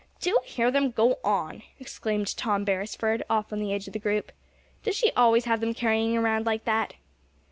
"Do hear them go on!" exclaimed Tom Beresford, off on the edge of the group. "Does she always have them carrying around like that?"